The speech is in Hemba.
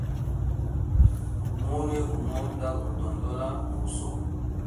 Munwe gumo nda gu mutondola nguso.